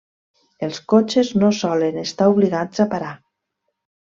Els cotxes no solen estar obligats a parar.